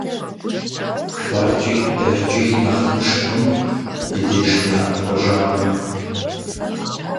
ФэркӀи дэркӀи нэхъ тынш хъунут ди деж фынэӀэпхъуэжамэ.